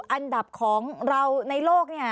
อันดับของเราในโลกเนี่ย